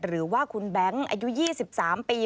หรือว่าคุณแบงค์อายุ๒๓ปี